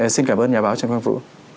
xin cảm ơn nhà báo trần quang vũ